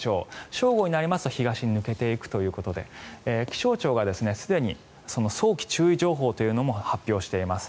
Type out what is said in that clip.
正午になりますと東に抜けていくということで気象庁がすでに早期注意情報を発表しています。